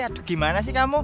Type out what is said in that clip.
aduh gimana sih kamu